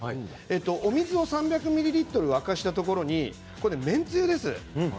水を３００ミリリットル沸かしたところに麺つゆです。